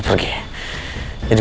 beri gue gendong sini